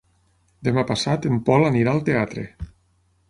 Demà passat en Pol anirà al teatre.